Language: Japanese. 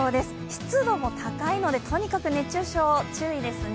湿度も高いのでとにかく熱中症に注意ですね。